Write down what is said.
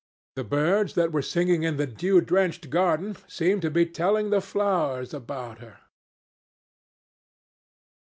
The birds that were singing in the dew drenched garden seemed to be telling the flowers about her.